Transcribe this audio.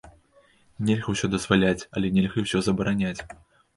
Нельга ўсё дазваляць, але нельга і ўсё забараняць.